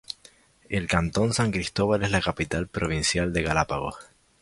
El Cantón San Cristóbal es la capital provincial de Galápagos.